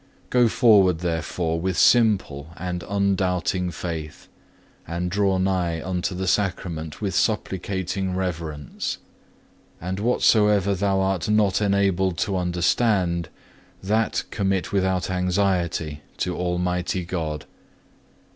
4. Go forward therefore with simple and undoubting faith, and draw nigh unto the Sacrament with supplicating reverence. And whatsoever thou art not enabled to understand, that commit without anxiety to Almighty God.